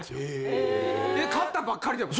え買ったばっかりでも？